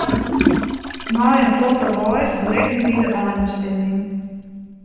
Nei in flotte reis berikten wy de einbestimming.